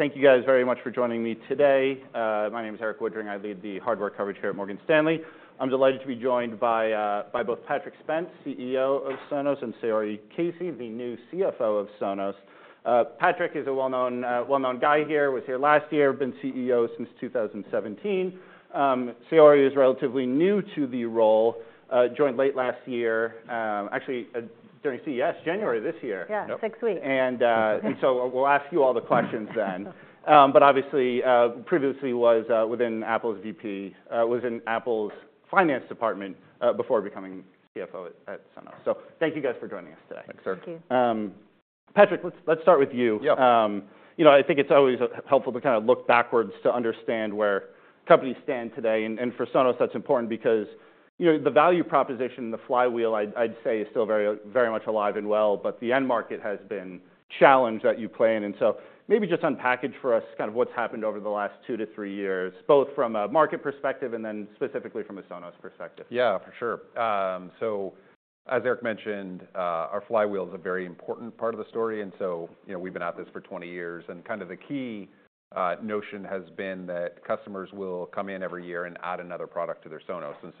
Thank you guys very much for joining me today. My name is Erik Woodring. I lead the hardware coverage here at Morgan Stanley. I'm delighted to be joined by both Patrick Spence, CEO of Sonos, and Saori Casey, the new CFO of Sonos. Patrick is a well-known, well-known guy here, was here last year, been CEO since 2017. Saori is relatively new to the role, joined late last year, actually during CES, January of this year. Yeah, six weeks. Yep. So we'll ask you all the questions then. But obviously, was in Apple's finance department before becoming CFO at Sonos. Thank you guys for joining us today. Thanks, Erik. Thank you. Patrick, let's start with you. Yep. You know, I think it's always helpful to kind of look backwards to understand where companies stand today. And for Sonos, that's important because, you know, the value proposition, the flywheel, I'd, I'd say, is still very, very much alive and well, but the end market has been challenged at a macro level. And so maybe just unpack for us kind of what's happened over the last two to three years, both from a market perspective, and then specifically from a Sonos perspective. Yeah, for sure. So as Erik mentioned, our flywheel is a very important part of the story, and so, you know, we've been at this for 20 years, and kind of the key notion has been that customers will come in every year and add another product to their Sonos. And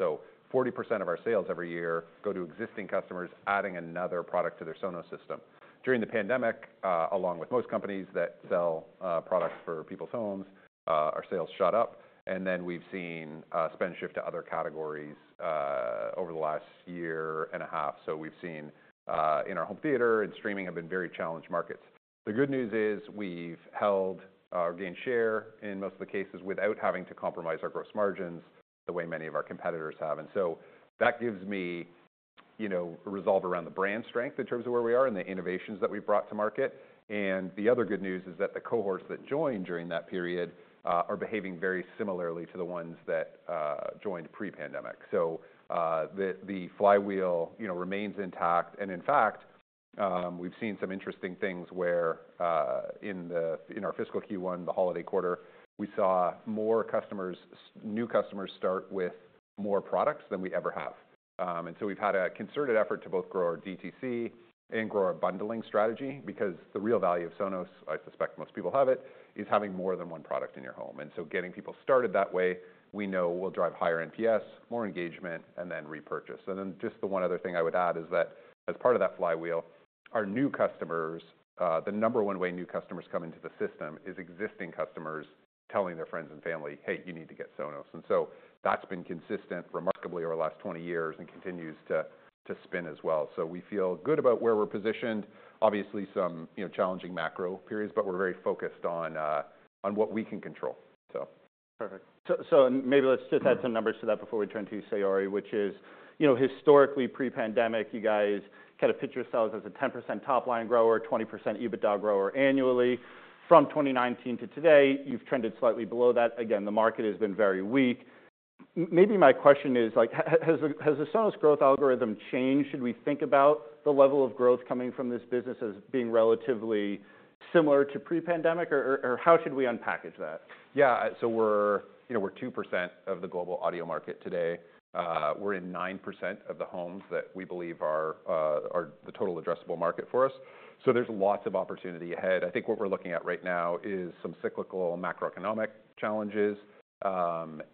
so 40% of our sales every year go to existing customers adding another product to their Sonos system. During the pandemic, along with most companies that sell products for people's homes, our sales shot up, and then we've seen spend shift to other categories over the last year and a half. So we've seen in-home theater and streaming have been very challenged markets. The good news is, we've held or gained share in most of the cases, without having to compromise our gross margins the way many of our competitors have. And so, that gives me, you know, resolve around the brand strength in terms of where we are and the innovations that we've brought to market. And the other good news is that the cohorts that joined during that period are behaving very similarly to the ones that joined pre-pandemic. So, the flywheel, you know, remains intact, and in fact, we've seen some interesting things where in our fiscal Q1, the holiday quarter, we saw more customers, new customers, start with more products than we ever have. and so we've had a concerted effort to both grow our DTC and grow our bundling strategy, because the real value of Sonos, I suspect most people have it, is having more than one product in your home. And so, getting people started that way, we know will drive higher NPS, more engagement, and then repurchase. And then, just the one other thing I would add is that as part of that flywheel, our new customers, the number one way new customers come into the system is existing customers telling their friends and family, "Hey, you need to get Sonos." And so that's been consistent remarkably over the last 20 years and continues to spin as well. So we feel good about where we're positioned. Obviously, some, you know, challenging macro periods, but we're very focused on, on what we can control, so... Perfect. So, and maybe let's just add some numbers to that before we turn to you, Saori, which is, you know, historically, pre-pandemic, you guys kind of pitched yourselves as a 10% top-line grower, 20% EBITDA grower annually. From 2019 to today, you've trended slightly below that. Again, the market has been very weak. Maybe my question is, like, has the Sonos growth algorithm changed? Should we think about the level of growth coming from this business as being relatively similar to pre-pandemic, or how should we unpackage that? Yeah, so we're, you know, we're 2% of the global audio market today. We're in 9% of the homes that we believe are the total addressable market for us. So there's lots of opportunity ahead. I think what we're looking at right now is some cyclical and macroeconomic challenges.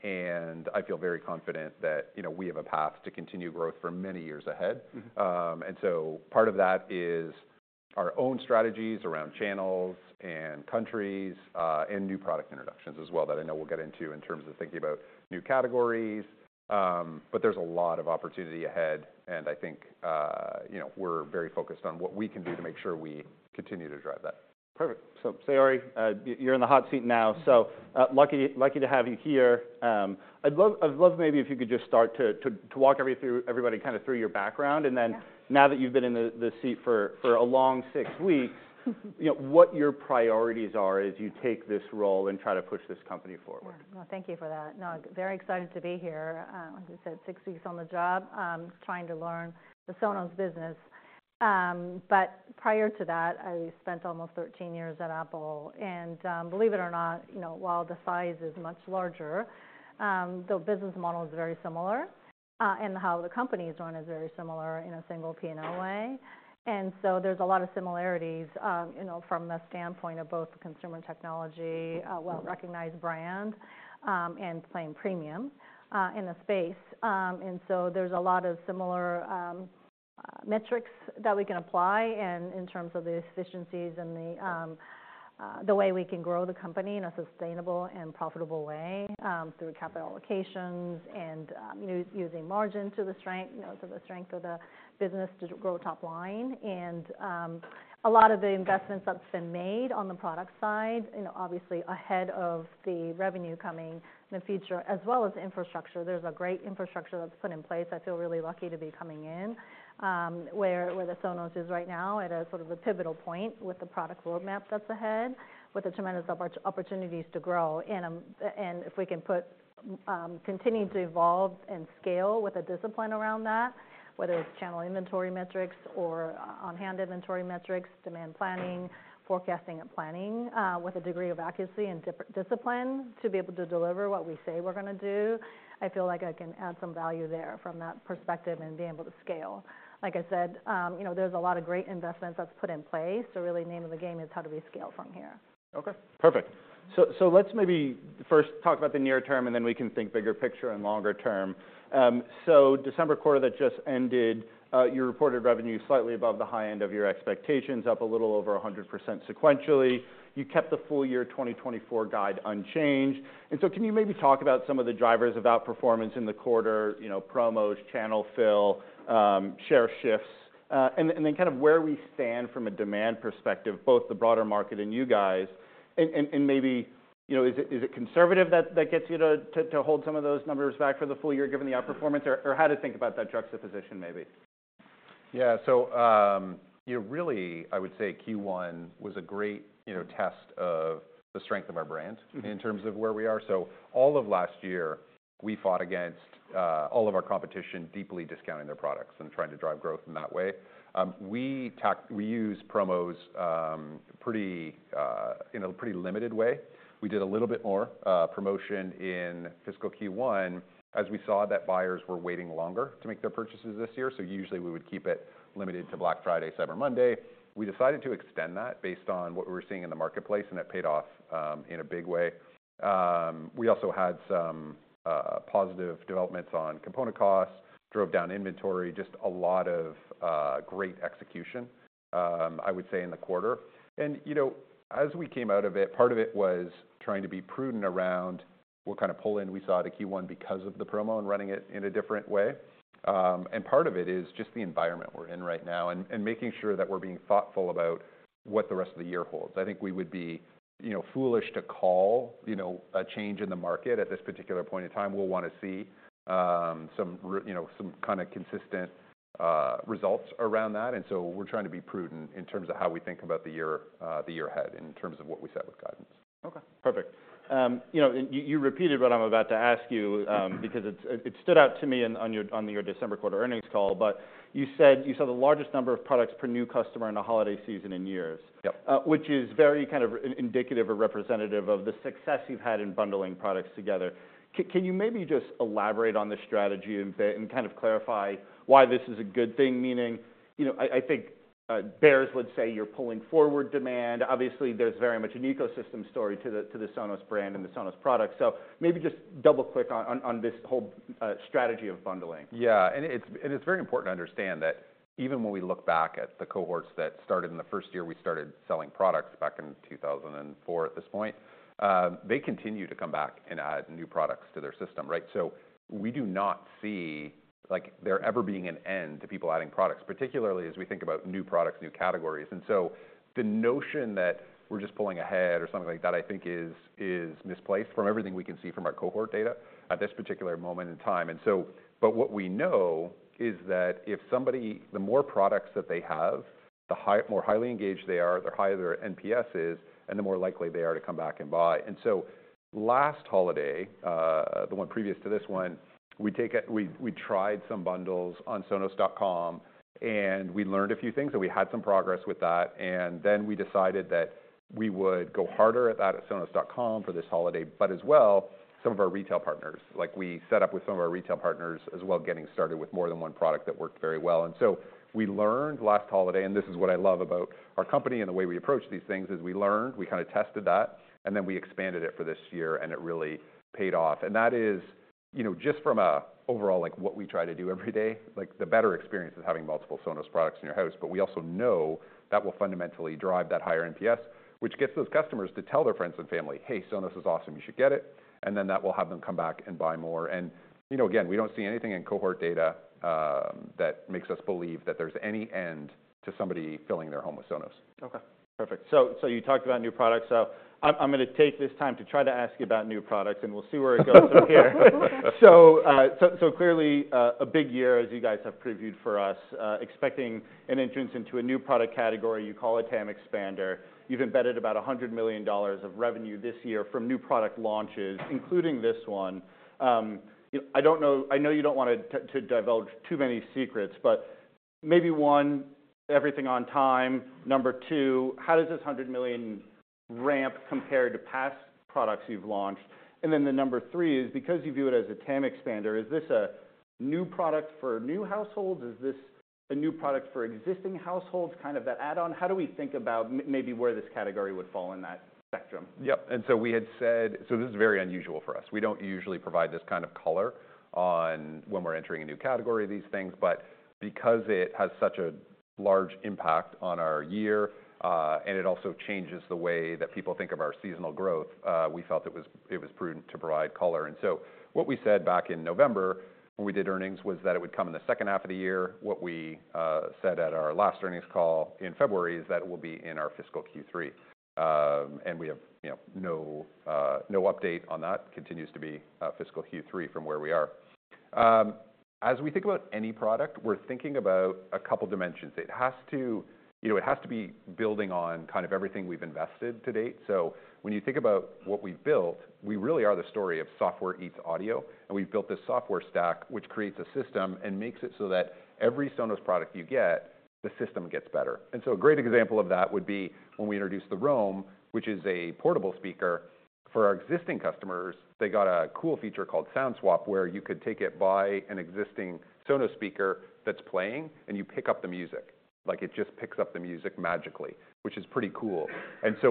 And I feel very confident that, you know, we have a path to continued growth for many years ahead. Mm-hmm. And so part of that is our own strategies around channels and countries, and new product introductions as well, that I know we'll get into in terms of thinking about new categories. But there's a lot of opportunity ahead, and I think, you know, we're very focused on what we can do to make sure we continue to drive that. Perfect. So, Saori, you're in the hot seat now. Mm-hmm. So, lucky, lucky to have you here. I'd love, I'd love maybe if you could just start to walk everybody through your background, and then- Yeah... Now that you've been in the seat for a long six weeks, you know, what your priorities are as you take this role and try to push this company forward? Yeah. Well, thank you for that. No, very excited to be here. Like you said, six weeks on the job, trying to learn the Sonos business. But prior to that, I spent almost 13 years at Apple, and, believe it or not, you know, while the size is much larger, the business model is very similar, and how the company is run is very similar in a single P&L way. And so there's a lot of similarities, you know, from the standpoint of both consumer technology, a well-recognized brand, and playing premium, in the space. And so there's a lot of similar metrics that we can apply, and in terms of the efficiencies and the way we can grow the company in a sustainable and profitable way, through capital allocations and using margin to the strength, you know, to the strength of the business to grow top line. And a lot of the investments that's been made on the product side, you know, obviously ahead of the revenue coming in the future, as well as infrastructure. There's a great infrastructure that's put in place. I feel really lucky to be coming in where the Sonos is right now, at a sort of a pivotal point with the product roadmap that's ahead, with the tremendous opportunities to grow. And if we can put... Continue to evolve and scale with a discipline around that, whether it's channel inventory metrics or on-hand inventory metrics, demand planning, forecasting and planning, with a degree of accuracy and discipline to be able to deliver what we say we're gonna do. I feel like I can add some value there from that perspective and be able to scale. Like I said, you know, there's a lot of great investments that's put in place, so really, the name of the game is how do we scale from here? Okay, perfect. So, so let's maybe first talk about the near term, and then we can think bigger picture and longer term... So, the December quarter that just ended, you reported revenue slightly above the high end of your expectations, up a little over 100% sequentially. You kept the full-year 2024 guide unchanged. And so, can you maybe talk about some of the drivers of outperformance in the quarter, you know, promos, channel fill, share shifts? And then, kind of where we stand from a demand perspective, both the broader market and you guys, and maybe, you know, is it conservative that gets you to hold some of those numbers back for the full year, given the outperformance? Or how to think about that juxtaposition, maybe. Yeah. So, you know, really, I would say Q1 was a great, you know, test of the strength of our brand- Mm-hmm In terms of where we are. So all of last year, we fought against all of our competition, deeply discounting their products and trying to drive growth in that way. We use promos pretty in a pretty limited way. We did a little bit more promotion in fiscal Q1 as we saw that buyers were waiting longer to make their purchases this year. So usually we would keep it limited to Black Friday, Cyber Monday. We decided to extend that based on what we were seeing in the marketplace, and that paid off in a big way. We also had some positive developments on component costs, drove down inventory, just a lot of great execution, I would say in the quarter. You know, as we came out of it, part of it was trying to be prudent around what kind of pull-in we saw to Q1 because of the promo and running it in a different way. And part of it is just the environment we're in right now and making sure that we're being thoughtful about what the rest of the year holds. I think we would be, you know, foolish to call, you know, a change in the market at this particular point in time. We'll wanna see, you know, some kind of consistent results around that. And so we're trying to be prudent in terms of how we think about the year, the year ahead, in terms of what we said with guidance. Okay, perfect. You know, and you repeated what I'm about to ask you, Mm-hmm... Because it stood out to me on your December quarter earnings call, but you said you saw the largest number of products per new customer in a holiday season in years. Yep. Which is very kind of indicative or representative of the success you've had in bundling products together. Can you maybe just elaborate on the strategy and a bit, and kind of clarify why this is a good thing? Meaning, you know, I think, bears would say you're pulling forward demand. Obviously, there's very much an ecosystem story to the Sonos brand and the Sonos product. So maybe just double-click on this whole strategy of bundling. Yeah, and it's very important to understand that even when we look back at the cohorts that started in the first year we started selling products, back in 2004 at this point, they continue to come back and add new products to their system, right? So we do not see, like, there ever being an end to people adding products, particularly as we think about new products, new categories. And so the notion that we're just pulling ahead or something like that, I think, is misplaced from everything we can see from our cohort data at this particular moment in time. And so, but what we know is that if somebody... the more products that they have, the more highly engaged they are, the higher their NPS is, and the more likely they are to come back and buy. And so last holiday, the one previous to this one, we tried some bundles on Sonos.com, and we learned a few things, and we had some progress with that. And then we decided that we would go harder at that at Sonos.com for this holiday, but as well, some of our retail partners, like we set up with some of our retail partners, as well, getting started with more than one product that worked very well. And so we learned last holiday, and this is what I love about our company and the way we approach these things, is we learned, we kind of tested that, and then we expanded it for this year, and it really paid off. That is, you know, just from a overall, like, what we try to do every day, like the better experience is having multiple Sonos products in your house. But we also know that will fundamentally drive that higher NPS, which gets those customers to tell their friends and family, "Hey, Sonos is awesome. You should get it." And then that will have them come back and buy more. And, you know, again, we don't see anything in cohort data that makes us believe that there's any end to somebody filling their home with Sonos. Okay, perfect. So you talked about new products, so I'm gonna take this time to try to ask you about new products, and we'll see where it goes from here. So, so clearly, a big year, as you guys have previewed for us, expecting an entrance into a new product category. You call it TAM expander. You've embedded about $100 million of revenue this year from new product launches, including this one. I don't know, I know you don't want to divulge too many secrets, but maybe one, everything on time. Number two, how does this $100 million ramp compare to past products you've launched? And then the number three is, because you view it as a TAM expander, is this a new product for new households? Is this a new product for existing households, kind of that add-on? How do we think about maybe where this category would fall in that spectrum? Yep, and so we had said. So this is very unusual for us. We don't usually provide this kind of color on when we're entering a new category of these things, but because it has such a large impact on our year, and it also changes the way that people think of our seasonal growth, we felt it was, it was prudent to provide color. And so what we said back in November, when we did earnings, was that it would come in the second half of the year. What we said at our last earnings call in February is that it will be in our fiscal Q3. And we have, you know, no update on that. Continues to be fiscal Q3 from where we are. As we think about any product, we're thinking about a couple dimensions. It has to, you know, it has to be building on kind of everything we've invested to date. So when you think about what we've built, we really are the story of software eats audio, and we've built this software stack, which creates a system and makes it so that every Sonos product you get, the system gets better. And so a great example of that would be when we introduced the Roam, which is a portable speaker. For our existing customers, they got a cool feature called Sound Swap, where you could take it by an existing Sonos speaker that's playing, and you pick up the music. Like, it just picks up the music magically, which is pretty cool.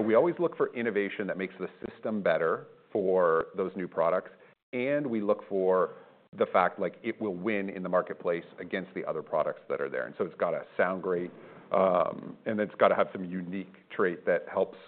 We always look for innovation that makes the system better for those new products, and we look for the fact, like, it will win in the marketplace against the other products that are there. So it's gotta sound great, and it's gotta have some unique trait that helps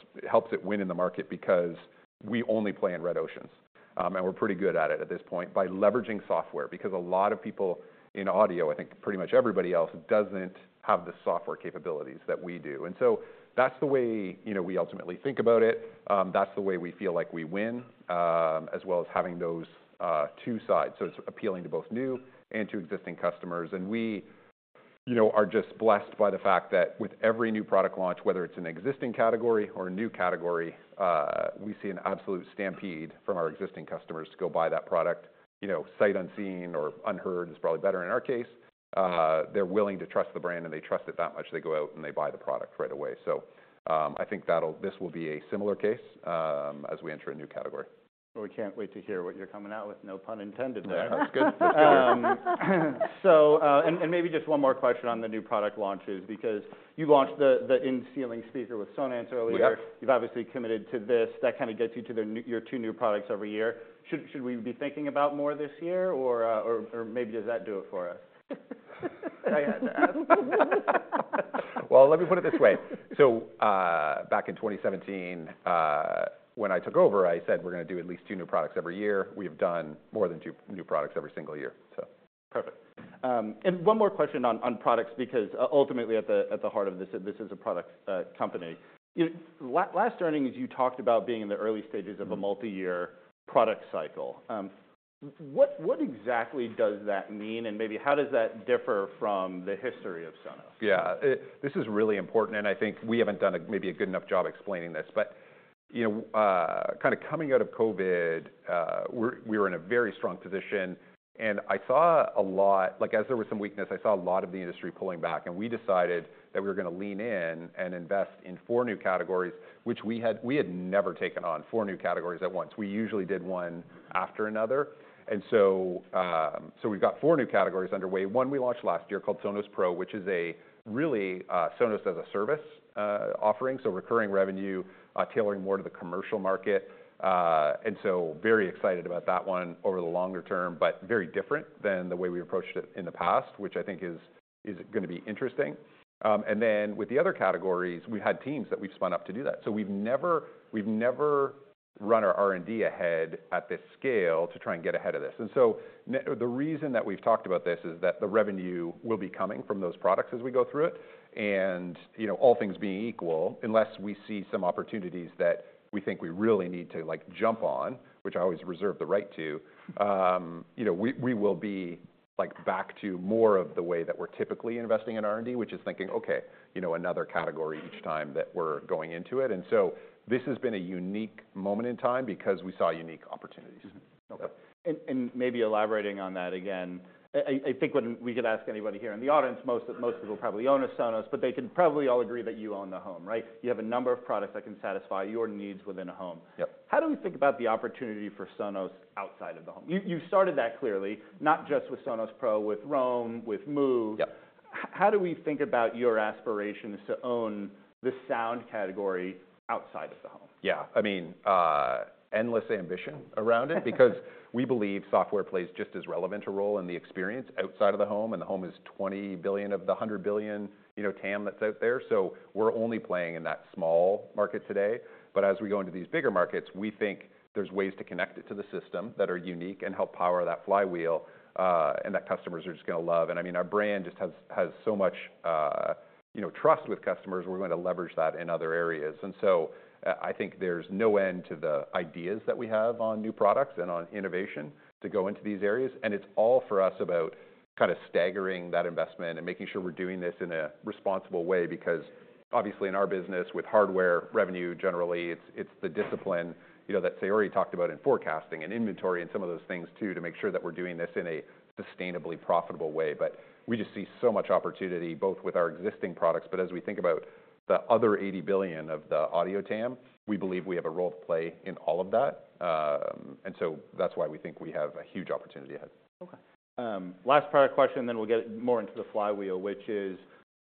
it win in the market, because we only play in red oceans. And we're pretty good at it at this point, by leveraging software, because a lot of people in audio, I think pretty much everybody else, doesn't have the software capabilities that we do. So that's the way, you know, we ultimately think about it. That's the way we feel like we win, as well as having those two sides. So it's appealing to both new and to existing customers, and we, you know, are just blessed by the fact that with every new product launch, whether it's an existing category or a new category, we see an absolute stampede from our existing customers to go buy that product, you know, sight unseen or unheard is probably better in our case. They're willing to trust the brand, and they trust it that much, they go out and they buy the product right away. So, I think this will be a similar case, as we enter a new category. Well, we can't wait to hear what you're coming out with, no pun intended there. That's good. That's good. Maybe just one more question on the new product launches, because you launched the in-ceiling speaker with Sonance earlier. We have. You've obviously committed to this. That kind of gets you to the new, your two new products every year. Should we be thinking about more this year, or, or maybe does that do it for us? I had to ask. Well, let me put it this way. So, back in 2017, when I took over, I said, "We're gonna do at least two new products every year." We have done more than two new products every single year, so. Perfect. And one more question on products, because ultimately at the heart of this, this is a product company. Your last earnings, you talked about being in the early stages of a- Mm-hmm... multi-year product cycle. What exactly does that mean? Maybe how does that differ from the history of Sonos? Yeah. This is really important, and I think we haven't done a maybe a good enough job explaining this. But, you know, kind of coming out of COVID, we were in a very strong position, and I saw a lot... Like, as there was some weakness, I saw a lot of the industry pulling back, and we decided that we were gonna lean in and invest in four new categories, which we had, we had never taken on four new categories at once. We usually did one after another. And so, so we've got four new categories underway. One, we launched last year called Sonos Pro, which is a really, Sonos as a service, offering. So recurring revenue, tailoring more to the commercial market. And so very excited about that one over the longer term, but very different than the way we approached it in the past, which I think is gonna be interesting. And then with the other categories, we've had teams that we've spun up to do that. So we've never, we've never run our R&D ahead at this scale to try and get ahead of this. And so the reason that we've talked about this is that the revenue will be coming from those products as we go through it. You know, all things being equal, unless we see some opportunities that we think we really need to, like, jump on, which I always reserve the right to, you know, we will be, like, back to more of the way that we're typically investing in R&D, which is thinking, "Okay, you know, another category each time that we're going into it." And so this has been a unique moment in time because we saw unique opportunities. Okay. And maybe elaborating on that again, I think when we could ask anybody here in the audience, most people probably own a Sonos, but they can probably all agree that you own the home, right? You have a number of products that can satisfy your needs within a home. Yep. How do we think about the opportunity for Sonos outside of the home? You, you started that clearly, not just with Sonos Pro, with Roam, with Move. Yep. How do we think about your aspirations to own the sound category outside of the home? Yeah. I mean, endless ambition around it because we believe software plays just as relevant a role in the experience outside of the home, and the home is $20 billion of the $100 billion, you know, TAM that's out there. So we're only playing in that small market today. But as we go into these bigger markets, we think there's ways to connect it to the system that are unique and help power that flywheel, and that customers are just gonna love. And I mean, our brand just has, has so much, you know, trust with customers, we're going to leverage that in other areas. And so, I think there's no end to the ideas that we have on new products and on innovation to go into these areas. It's all for us about kind of staggering that investment and making sure we're doing this in a responsible way, because obviously in our business, with hardware revenue, generally, it's the discipline, you know, that Saori talked about in forecasting and inventory and some of those things too, to make sure that we're doing this in a sustainably profitable way. But we just see so much opportunity, both with our existing products, but as we think about the other $80 billion of the audio TAM, we believe we have a role to play in all of that. And so that's why we think we have a huge opportunity ahead. Okay. Last product question, then we'll get more into the flywheel, which is: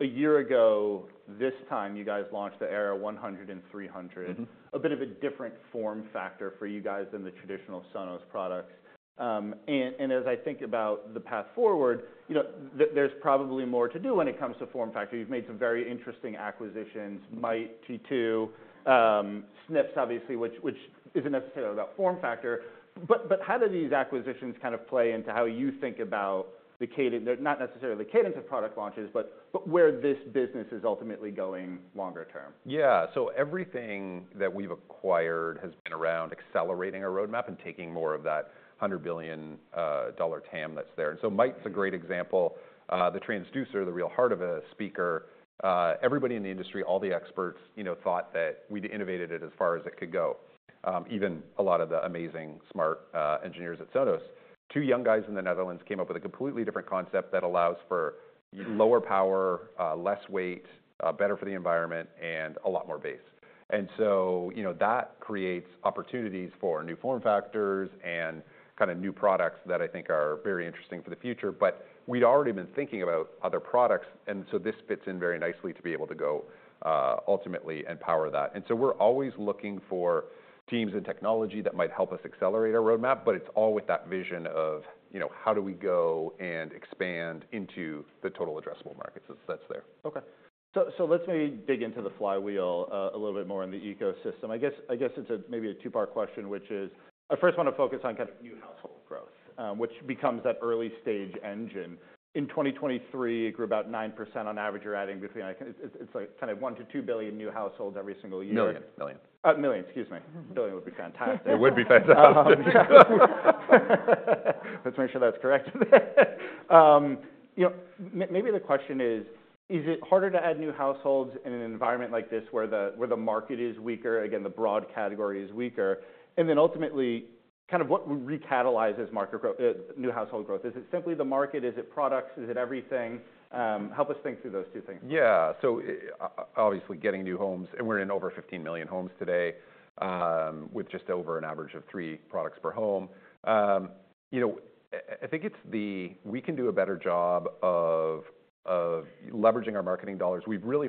a year ago, this time, you guys launched the Era 100 and 300. Mm-hmm. A bit of a different form factor for you guys than the traditional Sonos products. And as I think about the path forward, you know, there's probably more to do when it comes to form factor. You've made some very interesting acquisitions. Mm-hmm. Mayht, T2, Snips, obviously, which isn't necessarily about form factor, but how do these acquisitions kind of play into how you think about the cadence—not necessarily the cadence of product launches, but where this business is ultimately going longer term? Yeah. So everything that we've acquired has been around accelerating our roadmap and taking more of that $100 billion TAM that's there. And so Mayht's a great example. The transducer, the real heart of a speaker, everybody in the industry, all the experts, you know, thought that we'd innovated it as far as it could go, even a lot of the amazing, smart engineers at Sonos. Two young guys in the Netherlands came up with a completely different concept that allows for- Mm-hmm... Lower power, less weight, better for the environment, and a lot more bass. And so, you know, that creates opportunities for new form factors and kind of new products that I think are very interesting for the future. But we'd already been thinking about other products, and so this fits in very nicely to be able to go, ultimately and power that. And so we're always looking for teams and technology that might help us accelerate our roadmap, but it's all with that vision of, you know, how do we go and expand into the total addressable markets that's, that's there. Okay. So let's maybe dig into the Flywheel, uh, a little bit more in the ecosystem. I guess it's a maybe a two-part question, which is, I first wanna focus on kind of new households, which becomes that early-stage engine. In 2023, it grew about 9% on average. You're adding between, I think it's like kind of one to two billion new households every single year. Million. Million. Million, excuse me. Billion would be fantastic. It would be fantastic. Let's make sure that's correct. You know, maybe the question is: Is it harder to add new households in an environment like this, where the market is weaker, again, the broad category is weaker? And then ultimately, kind of what recatalyzes market growth, new household growth? Is it simply the market? Is it products? Is it everything? Help us think through those two things. Yeah. So, obviously, getting new homes, and we're in over 15 million homes today, with just over an average of three products per home. You know, I think we can do a better job of leveraging our marketing dollars. We've really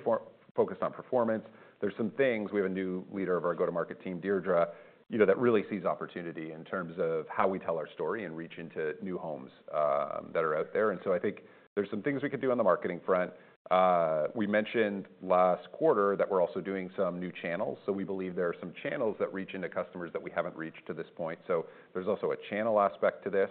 focused on performance. There's some things, we have a new leader of our go-to-market team, Deirdre, you know, that really sees opportunity in terms of how we tell our story and reach into new homes that are out there. And so I think there's some things we could do on the marketing front. We mentioned last quarter that we're also doing some new channels, so we believe there are some channels that reach into customers that we haven't reached to this point, so there's also a channel aspect to this.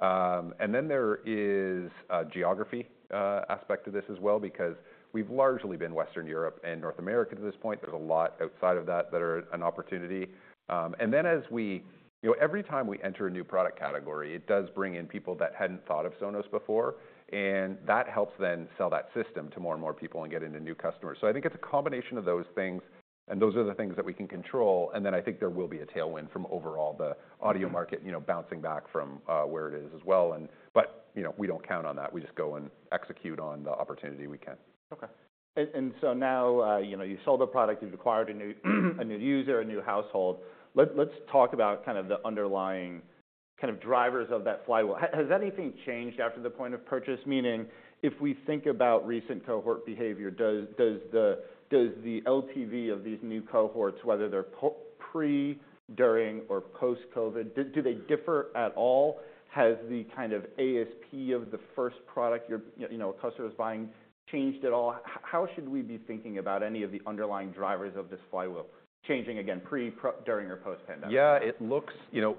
And then there is a geography aspect to this as well, because we've largely been Western Europe and North America to this point. There's a lot outside of that that are an opportunity. And then as we—you know, every time we enter a new product category, it does bring in people that hadn't thought of Sonos before, and that helps then sell that system to more and more people and get into new customers. So I think it's a combination of those things, and those are the things that we can control, and then I think there will be a tailwind from overall the audio market. Mm-hmm... You know, bouncing back from where it is as well, you know, we don't count on that. We just go and execute on the opportunity we can. Okay. So now, you know, you sold a product, you've acquired a new user, a new household. Let's talk about kind of the underlying kind of drivers of that flywheel. Has anything changed after the point of purchase? Meaning, if we think about recent cohort behavior, does the LTV of these new cohorts, whether they're pre, during, or post-COVID, do they differ at all? Has the kind of ASP of the first product, you know, a customer is buying, changed at all? How should we be thinking about any of the underlying drivers of this flywheel changing, again, pre, during or post-pandemic? Yeah, it looks, you know...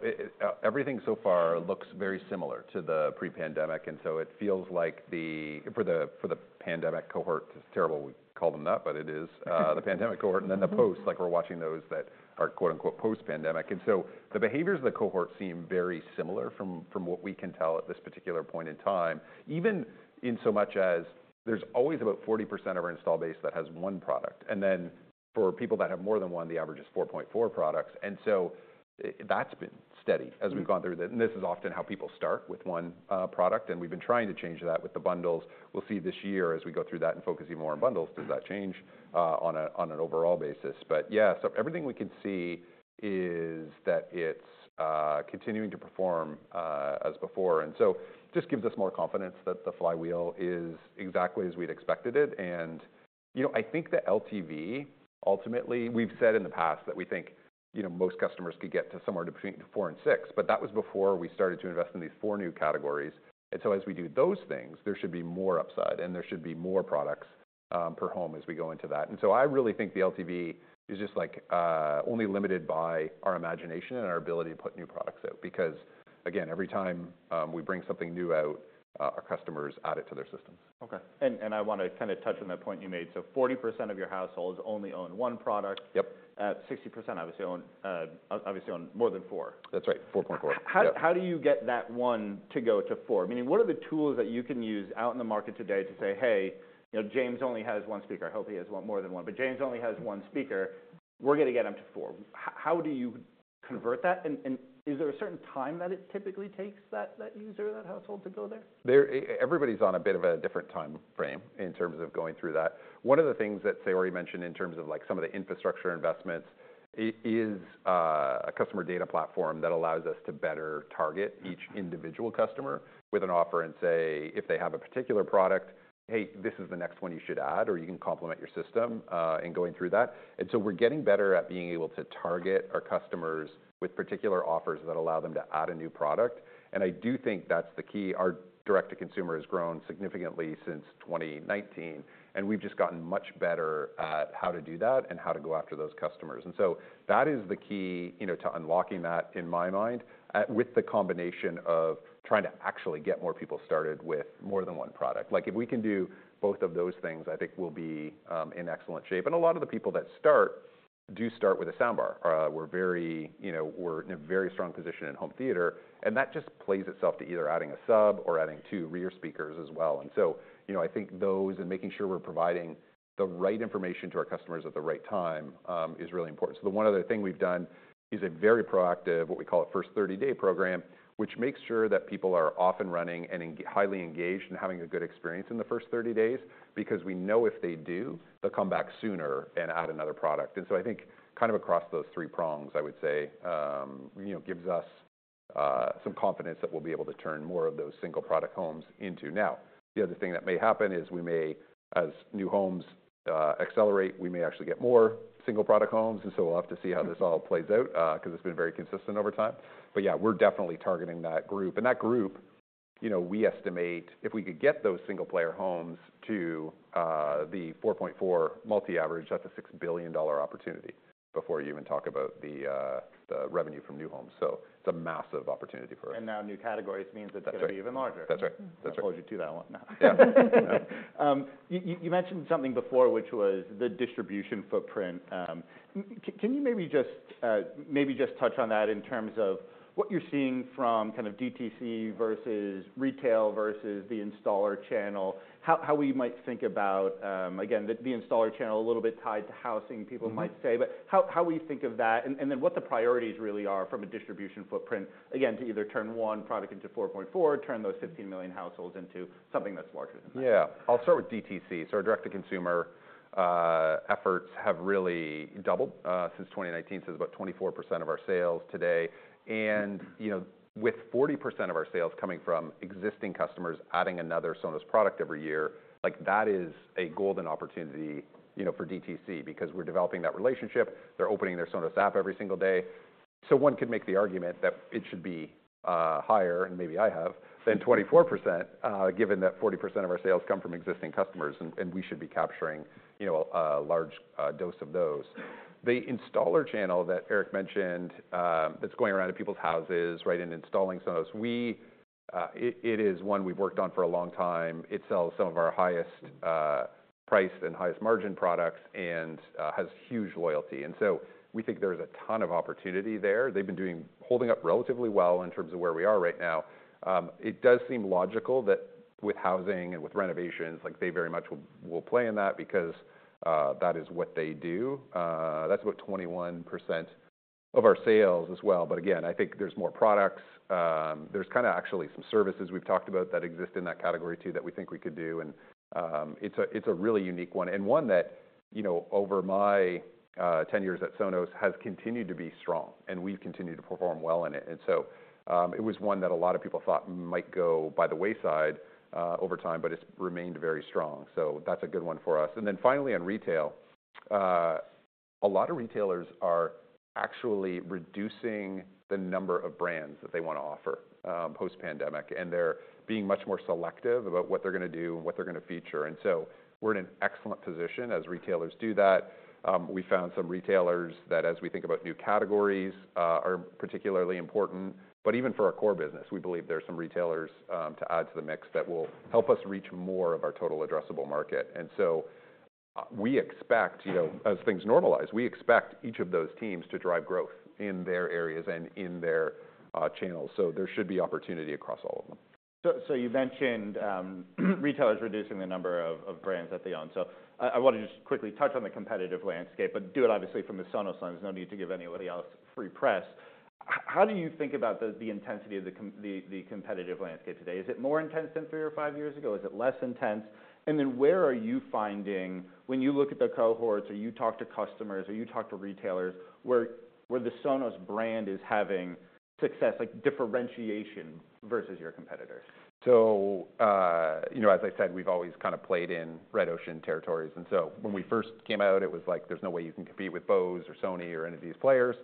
Everything so far looks very similar to the pre-pandemic, and so it feels like for the pandemic cohort, it's terrible we call them that, but it is the pandemic cohort, and then the post, like, we're watching those that are quote-unquote post-pandemic. And so the behaviors of the cohort seem very similar from what we can tell at this particular point in time. Even in so much as there's always about 40% of our install base that has one product, and then for people that have more than one, the average is 4.4 products, and so that's been steady as we've- Mm... Gone through this, and this is often how people start, with one product, and we've been trying to change that with the bundles. We'll see this year, as we go through that and focus even more on bundles, does that change on a, on an overall basis. But yeah, so everything we can see is that it's continuing to perform as before, and so just gives us more confidence that the flywheel is exactly as we'd expected it. And, you know, I think the LTV, ultimately, we've said in the past that we think, you know, most customers could get to somewhere between four and six, but that was before we started to invest in these four new categories. And so as we do those things, there should be more upside, and there should be more products per home as we go into that. And so I really think the LTV is just, like, only limited by our imagination and our ability to put new products out because, again, every time, we bring something new out, our customers add it to their systems. Okay. And I wanna kind of touch on that point you made. So 40% of your households only own one product. Yep. 60% obviously own more than four. That's right, 4.4. Yep. How do you get that one to four? I mean, what are the tools that you can use out in the market today to say, "Hey, you know, James only has one speaker." I hope he has one more than one, but "James only has one speaker. We're gonna get him to four." How do you convert that, and is there a certain time that it typically takes that user, or that household, to go there? Everybody's on a bit of a different time frame in terms of going through that. One of the things that Saori mentioned in terms of, like, some of the infrastructure investments is a customer data platform that allows us to better target each individual customer with an offer and say, if they have a particular product, "Hey, this is the next one you should add, or you can complement your system," in going through that. And so we're getting better at being able to target our customers with particular offers that allow them to add a new product, and I do think that's the key. Our direct to consumer has grown significantly since 2019, and we've just gotten much better at how to do that and how to go after those customers. And so that is the key, you know, to unlocking that, in my mind, with the combination of trying to actually get more people started with more than one product. Like, if we can do both of those things, I think we'll be in excellent shape. And a lot of the people that start, do start with a soundbar. We're very, you know, we're in a very strong position in home theater, and that just plays itself to either adding a sub or adding two rear speakers as well. And so, you know, I think those, and making sure we're providing the right information to our customers at the right time, is really important. So the one other thing we've done is a very proactive, what we call a first-30-day program, which makes sure that people are off and running and highly engaged and having a good experience in the first 30 days. Because we know if they do, they'll come back sooner and add another product. And so I think kind of across those three prongs, I would say, you know, gives us some confidence that we'll be able to turn more of those single-product homes into. Now, the other thing that may happen is we may, as new homes accelerate, we may actually get more single-product homes, and so we'll have to see how this all plays out, 'cause it's been very consistent over time. But yeah, we're definitely targeting that group. And that group-... You know, we estimate if we could get those single-player homes to the 4.4 multi average, that's a $6 billion opportunity before you even talk about the revenue from new homes. So it's a massive opportunity for us. Now new categories means that- That's right It's going to be even larger. That's right. That's right. I told you too, that I won't. Yeah. You mentioned something before, which was the distribution footprint. Can you maybe just touch on that in terms of what you're seeing from kind of DTC versus retail versus the installer channel? How we might think about, again, the installer channel, a little bit tied to housing, people- Mm-hmm might say, but how we think of that, and then what the priorities really are from a distribution footprint, again, to either turn one product into 4.4, or turn those 15 million households into something that's larger than that? Yeah. I'll start with DTC. So our direct-to-consumer efforts have really doubled since 2019 to about 24% of our sales today. And, you know, with 40% of our sales coming from existing customers adding another Sonos product every year, like, that is a golden opportunity, you know, for DTC because we're developing that relationship. They're opening their Sonos app every single day. So one could make the argument that it should be higher, and maybe I have, than 24%, given that 40% of our sales come from existing customers, and we should be capturing, you know, a large dose of those. The installer channel that Erik mentioned, that's going around in people's houses, right, and installing Sonos. It is one we've worked on for a long time. It sells some of our highest priced and highest margin products and has huge loyalty. And so we think there's a ton of opportunity there. They've been holding up relatively well in terms of where we are right now. It does seem logical that with housing and with renovations, like, they very much will play in that because that is what they do. That's about 21% of our sales as well. But again, I think there's more products. There's kinda actually some services we've talked about that exist in that category too, that we think we could do. And, it's a really unique one, and one that, you know, over my 10 years at Sonos, has continued to be strong, and we've continued to perform well in it. It was one that a lot of people thought might go by the wayside, over time, but it's remained very strong. That's a good one for us. Finally, on retail, a lot of retailers are actually reducing the number of brands that they wanna offer, post-pandemic, and they're being much more selective about what they're gonna do and what they're gonna feature. We're in an excellent position as retailers do that. We found some retailers that, as we think about new categories, are particularly important. But even for our core business, we believe there are some retailers to add to the mix that will help us reach more of our total addressable market. And so, we expect, you know, as things normalize, we expect each of those teams to drive growth in their areas and in their channels. So there should be opportunity across all of them. So, so you mentioned, retail is reducing the number of brands that they own. So I wanna just quickly touch on the competitive landscape, but do it obviously from the Sonos side. There's no need to give anybody else free press. How do you think about the intensity of the competitive landscape today? Is it more intense than three or five years ago? Is it less intense? And then where are you finding, when you look at the cohorts, or you talk to customers, or you talk to retailers, where the Sonos brand is having success, like differentiation versus your competitors? So, you know, as I said, we've always kinda played in red ocean territories, and so when we first came out, it was like, there's no way you can compete with Bose or Sony or any of these players.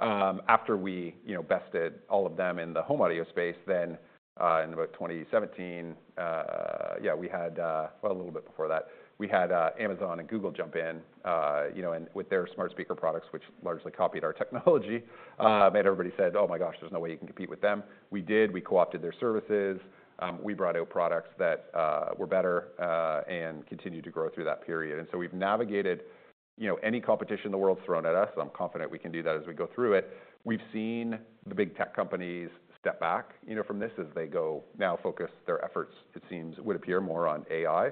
After we, you know, bested all of them in the home audio space, then in about 2017, yeah, we had, well, a little bit before that, we had Amazon and Google jump in, you know, and with their smart speaker products, which largely copied our technology, and everybody said: Oh, my gosh, there's no way you can compete with them. We did. We co-opted their services. We brought out products that were better, and continued to grow through that period. And so we've navigated, you know, any competition the world's thrown at us, and I'm confident we can do that as we go through it. We've seen the big tech companies step back, you know, from this as they go now focus their efforts, it seems, would appear more on AI.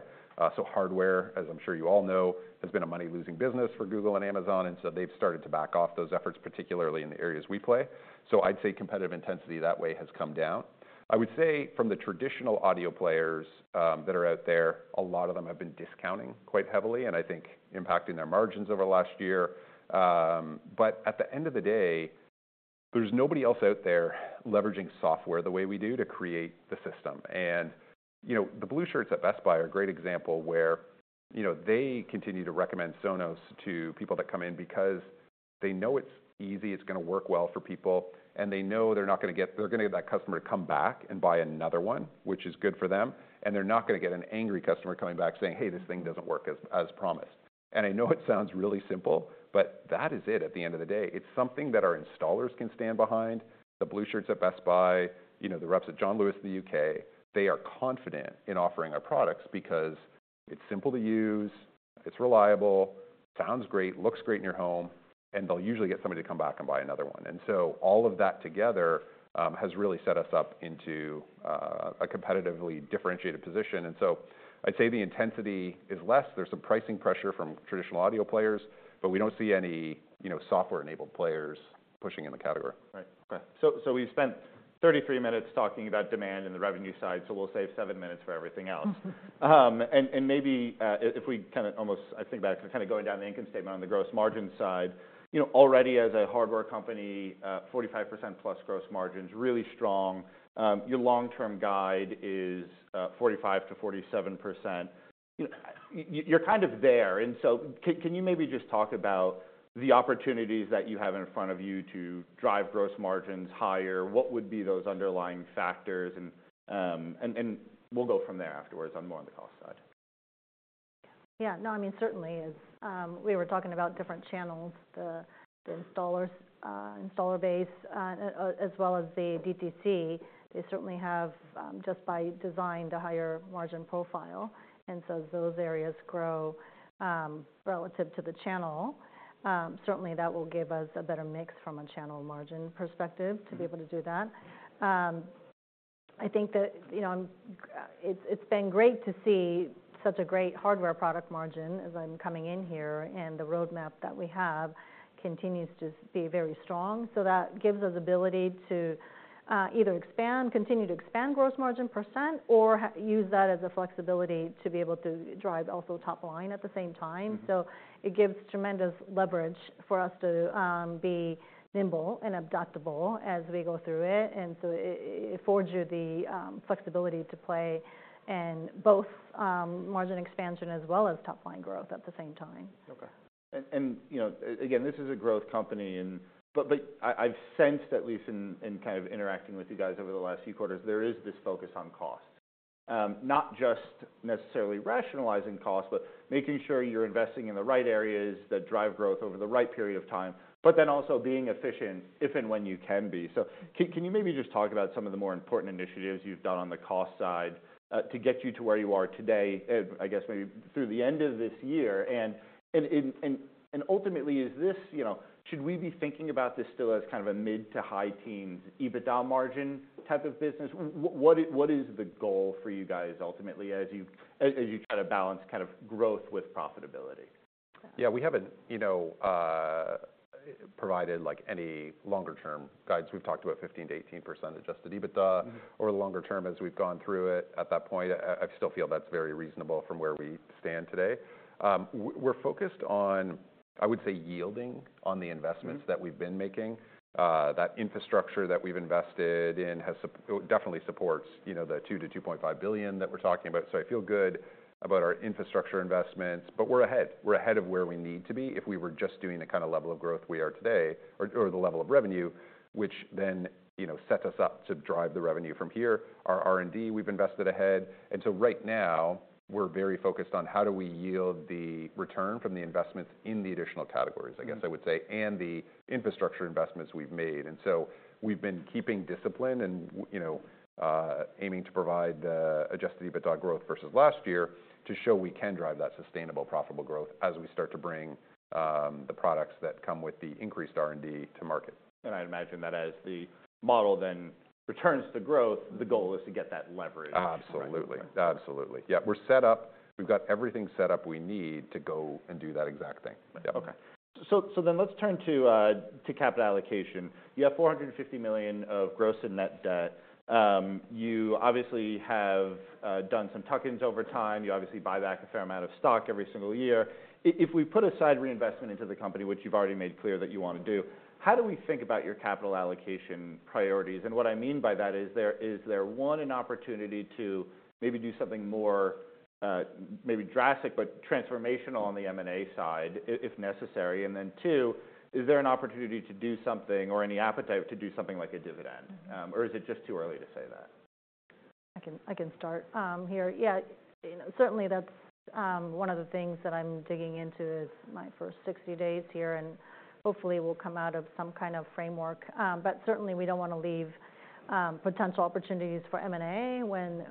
So hardware, as I'm sure you all know, has been a money-losing business for Google and Amazon, and so they've started to back off those efforts, particularly in the areas we play. So I'd say competitive intensity that way has come down. I would say from the traditional audio players, that are out there, a lot of them have been discounting quite heavily, and I think impacting their margins over the last year. But at the end of the day, there's nobody else out there leveraging software the way we do to create the system. You know, the blue shirts at Best Buy are a great example, where, you know, they continue to recommend Sonos to people that come in because they know it's easy, it's gonna work well for people, and they know they're not gonna get, they're gonna get that customer to come back and buy another one, which is good for them, and they're not gonna get an angry customer coming back saying, "Hey, this thing doesn't work as promised." I know it sounds really simple, but that is it at the end of the day. It's something that our installers can stand behind. The blue shirts at Best Buy, you know, the reps at John Lewis in the U.K., they are confident in offering our products because it's simple to use, it's reliable, sounds great, looks great in your home, and they'll usually get somebody to come back and buy another one. And so all of that together, has really set us up into, a competitively differentiated position. And so I'd say the intensity is less. There's some pricing pressure from traditional audio players, but we don't see any, you know, software-enabled players pushing in the category. Right. Okay. So we've spent 33 minutes talking about demand and the revenue side, so we'll save seven minutes for everything else. And maybe if we kinda almost... I think back to kinda going down the income statement on the gross margin side, you know, already as a hardware company, 45%+ gross margin is really strong. Your long-term guide is 45%-47%. You're kind of there, and so can you maybe just talk about the opportunities that you have in front of you to drive gross margins higher? What would be those underlying factors? And we'll go from there afterwards on more on the cost side.... Yeah, no, I mean, certainly as we were talking about different channels, the installers, installer base, as well as the DTC, they certainly have, just by design, the higher margin profile. And so those areas grow, relative to the channel. Certainly, that will give us a better mix from a channel margin perspective to be able to do that. I think that, you know, it's been great to see such a great hardware product margin as I'm coming in here, and the roadmap that we have continues to be very strong. So that gives us ability to, either expand, continue to expand gross margin percent, or use that as a flexibility to be able to drive also top line at the same time. Mm-hmm. So it gives tremendous leverage for us to be nimble and adaptable as we go through it. And so it gives you the flexibility to play in both margin expansion as well as top line growth at the same time. Okay. And, you know, again, this is a growth company, and... But I’ve sensed, at least in kind of interacting with you guys over the last few quarters, there is this focus on cost. Not just necessarily rationalizing costs, but making sure you’re investing in the right areas that drive growth over the right period of time, but then also being efficient if and when you can be. So can you maybe just talk about some of the more important initiatives you’ve done on the cost side, to get you to where you are today, I guess maybe through the end of this year? And ultimately, is this, you know, should we be thinking about this still as kind of a mid- to high-teens EBITDA margin type of business? What is the goal for you guys, ultimately, as you try to balance kind of growth with profitability? Yeah, we haven't, you know, provided, like, any longer term guides. We've talked about 15%-18% Adjusted EBITDA- Mm-hmm. -over the longer term as we've gone through it. At that point, I still feel that's very reasonable from where we stand today. We're focused on, I would say, yielding on the investments- Mm. -that we've been making. That infrastructure that we've invested in has definitely supports, you know, the $2 billion-$2.5 billion that we're talking about. So I feel good about our infrastructure investments, but we're ahead. We're ahead of where we need to be if we were just doing the kind of level of growth we are today, or, or the level of revenue, which then, you know, sets us up to drive the revenue from here. Our R&D, we've invested ahead. And so right now, we're very focused on how do we yield the return from the investments in the additional categories- Mm. I guess I would say, and the infrastructure investments we've made. And so we've been keeping discipline and you know, aiming to provide, Adjusted EBITDA growth versus last year to show we can drive that sustainable, profitable growth as we start to bring, the products that come with the increased R&D to market. I'd imagine that as the model then returns to growth, the goal is to get that leverage. Absolutely. Okay. Absolutely. Yeah, we're set up. We've got everything set up we need to go and do that exact thing. Yep. Okay. So then let's turn to capital allocation. You have $450 million of gross and net debt. You obviously have done some tuck-ins over time. You obviously buy back a fair amount of stock every single year. If we put aside reinvestment into the company, which you've already made clear that you want to do, how do we think about your capital allocation priorities? And what I mean by that is, is there, one, an opportunity to maybe do something more, maybe drastic, but transformational on the M&A side, if necessary? And then, two, is there an opportunity to do something or any appetite to do something like a dividend? Or is it just too early to say that? I can start here. Yeah, you know, certainly that's one of the things that I'm digging into is my first 60 days here, and hopefully will come out of some kind of framework. But certainly, we don't want to leave potential opportunities for M&A when,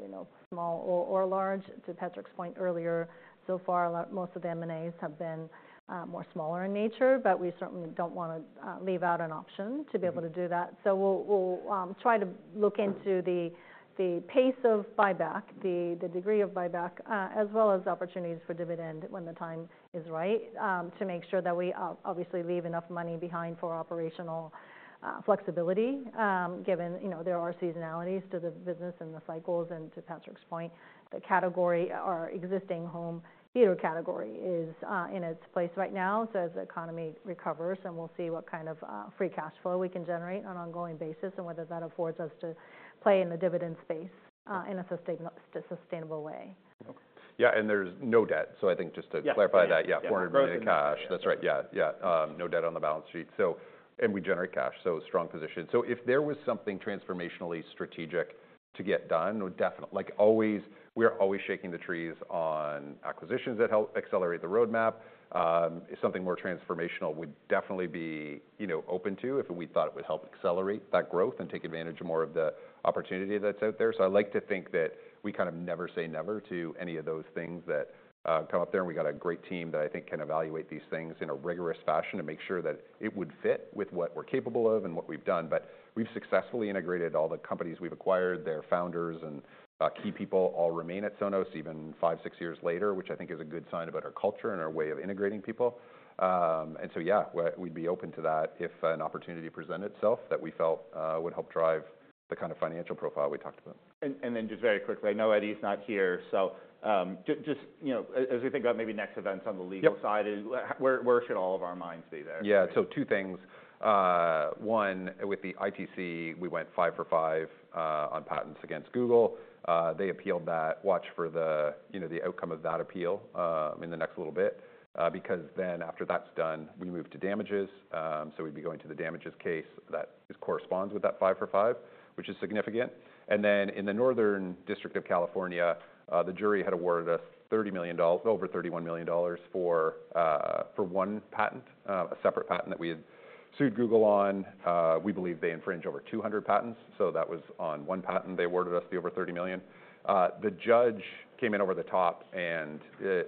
you know, small or large. To Patrick's point earlier, so far, most of the M&As have been more smaller in nature, but we certainly don't want to leave out an option- Mm. to be able to do that. So we'll try to look into the pace of buyback, the degree of buyback, as well as opportunities for dividend when the time is right, to make sure that we obviously leave enough money behind for operational flexibility, given, you know, there are seasonalities to the business and the cycles. And to Patrick's point, the category or existing home theater category is in its place right now. So as the economy recovers, then we'll see what kind of free cash flow we can generate on an ongoing basis, and whether that affords us to play in the dividend space, in a sustainable way. Yeah, and there's no debt. So I think just to clarify that- Yeah. Yeah, $400 million cash. That's right. Yeah, yeah, no debt on the balance sheet, so... And we generate cash, so strong position. So if there was something transformationally strategic to get done, we're definitely like, always, we are always shaking the trees on acquisitions that help accelerate the roadmap. If something more transformational, we'd definitely be, you know, open to, if we thought it would help accelerate that growth and take advantage of more of the opportunity that's out there. So I like to think that we kind of never say never to any of those things that come up there. And we got a great team that I think can evaluate these things in a rigorous fashion to make sure that it would fit with what we're capable of and what we've done. But we've successfully integrated all the companies we've acquired. Their founders and key people all remain at Sonos even five, six years later, which I think is a good sign about our culture and our way of integrating people. And so, yeah, we'd be open to that if an opportunity presented itself that we felt would help drive the kind of financial profile we talked about. And then just very quickly, I know Eddie's not here, so, just, you know, as we think about maybe next events on the legal side- Yep. Where should all of our minds be there? Yeah, so two things. One, with the ITC, we went five for five on patents against Google. They appealed that. Watch for the, you know, the outcome of that appeal in the next little bit, because then after that's done, we move to damages. So we'd be going to the damages case that corresponds with that five for five, which is significant. And then in the Northern District of California, the jury had awarded us $30 million, over $31 million for one patent, a separate patent that we had sued Google on. We believe they infringe over 200 patents, so that was on one patent. They awarded us the over $30 million. The judge came in over the top and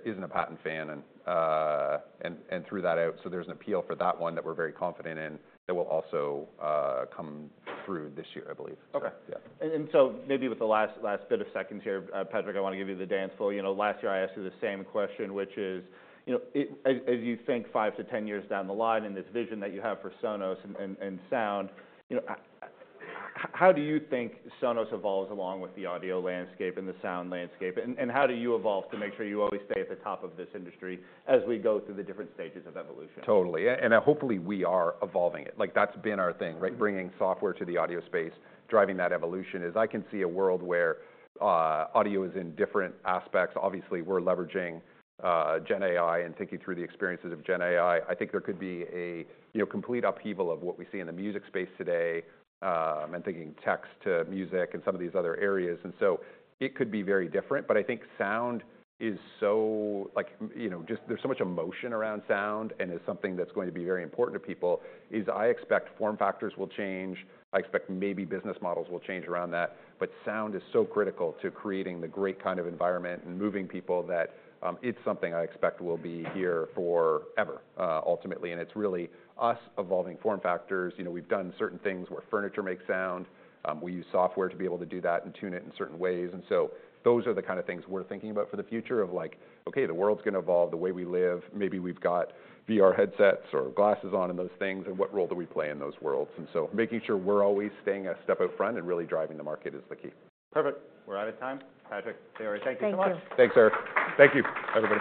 isn't a patent fan and threw that out. So there's an appeal for that one that we're very confident in, that will also come through this year, I believe. Okay. Yeah. So maybe with the last bit of seconds here, Patrick, I wanna give you the dance floor. You know, last year I asked you the same question, which is, you know, as you think five to 10 years down the line and this vision that you have for Sonos and sound, you know, how do you think Sonos evolves along with the audio landscape and the sound landscape, and how do you evolve to make sure you always stay at the top of this industry as we go through the different stages of evolution? Totally. And hopefully we are evolving it. Like, that's been our thing, right? Bringing software to the audio space, driving that evolution, is I can see a world where audio is in different aspects. Obviously, we're leveraging GenAI and thinking through the experiences of GenAI. I think there could be a, you know, complete upheaval of what we see in the music space today, and thinking text to music and some of these other areas. And so it could be very different. But I think sound is so... Like, you know, just there's so much emotion around sound, and it's something that's going to be very important to people, is I expect form factors will change. I expect maybe business models will change around that. But sound is so critical to creating the great kind of environment and moving people that it's something I expect will be here forever, ultimately, and it's really us evolving form factors. You know, we've done certain things where furniture makes sound. We use software to be able to do that and tune it in certain ways. And so those are the kind of things we're thinking about for the future of like, okay, the world's gonna evolve the way we live. Maybe we've got VR headsets or glasses on and those things, and what role do we play in those worlds? And so making sure we're always staying a step out front and really driving the market is the key. Perfect. We're out of time. Patrick, Saori, thank you so much. Thank you. Thanks, Erik. Thank you, everybody.